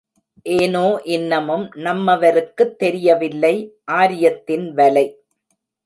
ஏனோ இன்னமும் நம்மவருக்குத் தெரியவில்லை ஆரியத்தின் வலை!